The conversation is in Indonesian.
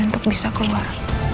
untuk bisa keluar